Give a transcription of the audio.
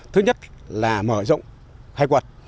thứ nhất là mở rộng khai quật